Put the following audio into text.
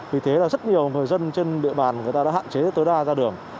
vì thế là rất nhiều người dân trên địa bàn người ta đã hạn chế tới đa ra đường